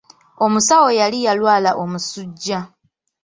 Omusawo yali yalwala omusujja.